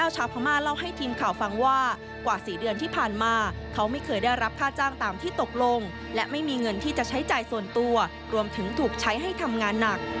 จากการสอบถามหนึ่งในแรงงานต่างด้าวชาวพม่า